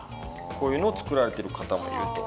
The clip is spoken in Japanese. こういうのを作られてる方もいると。